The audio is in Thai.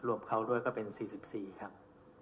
รวมเขาด้วยก็เป็น๔๔ครับ